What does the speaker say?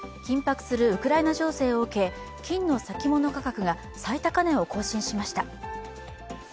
緊迫するウクライナ情勢を受け、金の先物価格が最高値を更新しました。